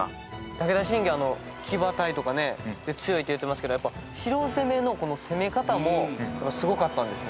武田信玄は騎馬隊とかね強いっていってますけどやっぱ城攻めの攻め方もすごかったんですね。